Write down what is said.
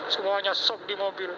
semuanya sok di mobil